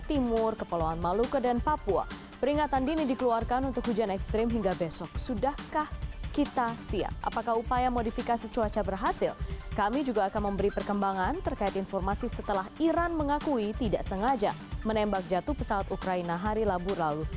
iran mengakui tidak sengaja menembak jatuh pesawat ukraina hari labur lalu